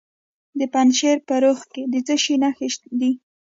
د پنجشیر په روخه کې د څه شي نښې دي؟